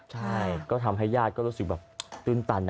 ใช่ก็ทำให้ญาติก็รู้สึกแบบตื้นตัน